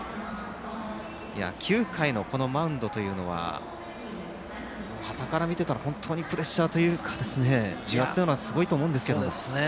９回のマウンドというのははたから見ていたら本当にプレッシャーというか重圧はすごいと思うんですけども。